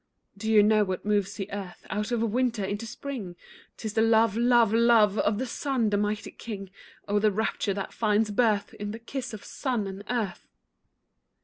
Do you know what moves the earth Out of winter into spring? 'Tis the love, love, love, Of the sun, the mighty king. Oh the rapture that finds birth In the kiss of sun and earth!